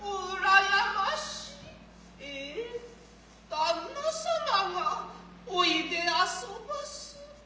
旦那様がおいで遊ばす。